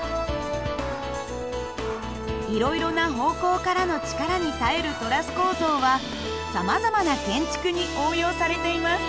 いろいろな方向からの力に耐えるトラス構造はさまざまな建築に応用されています。